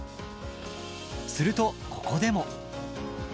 するとここでも。